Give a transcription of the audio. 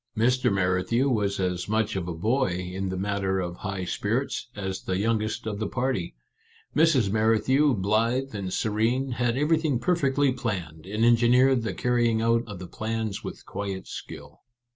Mr. Merrithew was as much of a boy, in the matter of high spirits, as the youngest of the party. Mrs. Merrithew, 44 O ur Little Canadian Cousin blithe and serene, had everything perfectly planned, and engineered the carrying out of the plans with quiet skill.